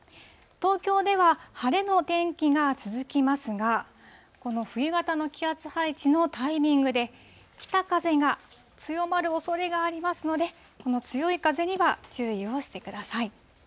東京では、晴れの天気が続きますが、この冬型の気圧配置のタイミングで、北風が強まるおそれがありますので、この強い風には注意をしてください。